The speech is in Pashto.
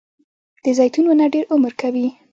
د زیتون ونه ډیر عمر کوي